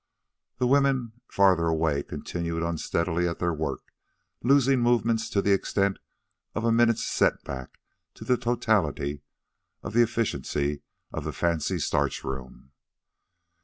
The women farther away continued unsteadily at their work, losing movements to the extent of a minute's set back to the totality of the efficiency of the fancy starch room.